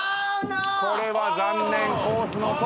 これは残念コースの外。